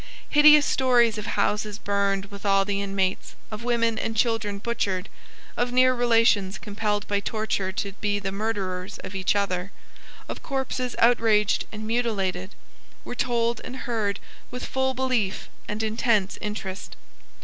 Hideous stories of houses burned with all the inmates, of women and young children butchered, of near relations compelled by torture to be the murderers of each other, of corpses outraged and mutilated, were told and heard with full belief and intense interest.